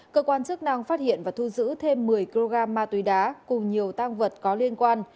cơ quan chức năng phát hiện và thu giữ thêm một mươi kg ma túy đá cùng nhiều tăng vật có liên quan